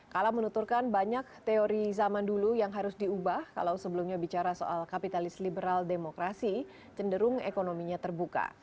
kala menuturkan banyak teori zaman dulu yang harus diubah kalau sebelumnya bicara soal kapitalis liberal demokrasi cenderung ekonominya terbuka